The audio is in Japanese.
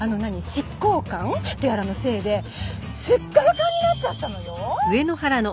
執行官とやらのせいですっからかんになっちゃったのよ！